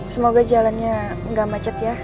semoga jalannya nggak macet ya